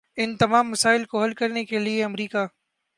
ان تمام مسائل کو حل کرنے کے لیے امریکہ